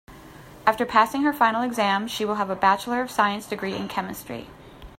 After passing her final exam she will have a bachelor of science degree in chemistry.